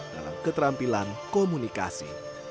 dalam keterampilan komunikasi